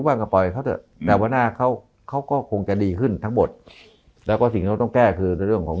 วันหน้าเขาเขาก็คงจะดีขึ้นทั้งหมดแล้วก็สิ่งที่เราต้องแก้คือในเรื่องของ